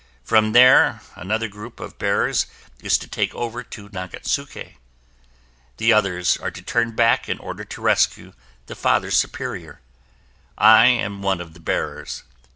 From there, another group of bearers is to take over to Nagatsuke; the others are to turn back in order to rescue the Father Superior. I am one of the bearers.